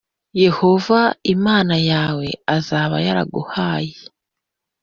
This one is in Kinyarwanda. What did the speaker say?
yehova imana yawe azaba yaraguhaye